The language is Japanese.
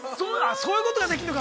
◆そういうことができるのか。